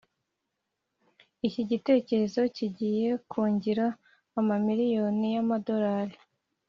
“iki gitekerezo kigiye kungira amamiriyoni y'amadorari!”